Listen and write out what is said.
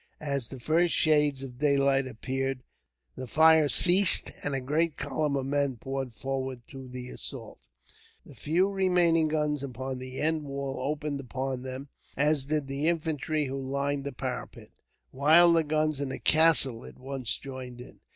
As the first shades of daylight appeared the fire ceased, and a great column of men poured forward to the assault. The few remaining guns upon the end wall opened upon them, as did the infantry who lined the parapet, while the guns in the castle at once joined in.